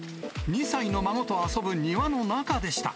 ２歳の孫と遊ぶ庭の中でした。